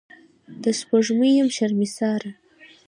د سپوږمۍ یم شرمساره